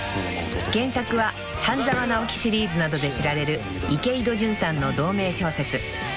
［原作は「半沢直樹シリーズ」などで知られる池井戸潤さんの同名小説］